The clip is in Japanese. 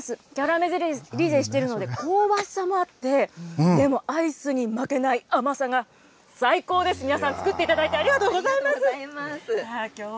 キャラメリゼしてるので、香ばしさもあって、でもアイスに負けない甘さが最高です、皆さん、作っていただいてありがとうございまありがとうございます。